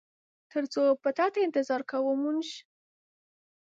تر څو به تاته انتظار کوو مونږ؟